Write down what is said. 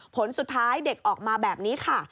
ผลสุดท้ายเด็กออกมาแบบนี้ค่ะ